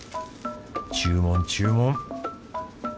注文注文。